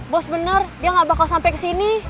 bos bener dia gak bakal sampai kesini